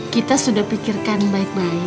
kita sudah pikirkan baik baik aja soal ini